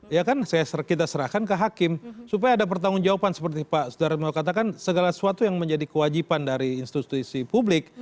ya kan kita serahkan ke hakim supaya ada pertanggung jawaban seperti pak sudara katakan segala sesuatu yang menjadi kewajiban dari institusi publik